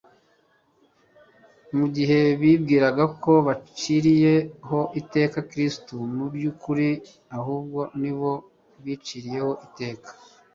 Mu gihe bibwiraga ko baciriye ho iteka Kristo, mu by'ukuri ahubwo nibo biciriyeho iteka.